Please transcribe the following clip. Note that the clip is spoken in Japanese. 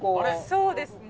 そうですね。